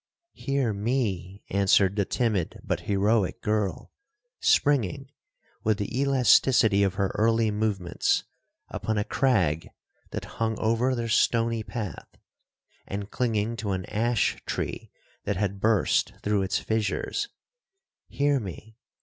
'Hear me,' answered the timid but heroic girl, springing, with the elasticity of her early movements, upon a crag that hung over their stony path, and clinging to an ash tree that had burst through its fissures—'Hear me!